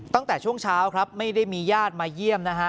ตั้งแต่ช่วงเช้าครับไม่ได้มีญาติมาเยี่ยมนะฮะ